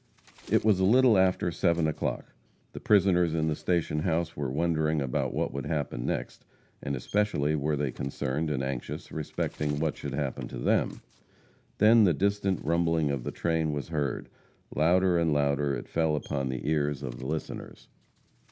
It was a little after seven o'clock. The prisoners in the station house were wondering about what would happen next, and especially were they concerned and anxious respecting what should happen to them. Then the distant rumbling of the train was heard; louder and louder it fell upon the ears of the listeners.